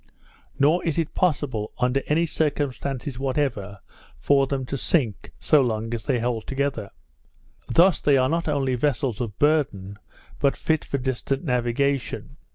Nor is it possible, under any circumstance whatever, for them to sink, so long as they hold together. Thus they are not only vessels of burden, but fit for distant navigation.